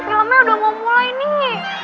filmnya udah mau mulai nih